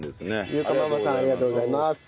ゆうかママさんありがとうございます。